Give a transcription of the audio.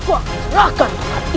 aku akan serahkan tuanku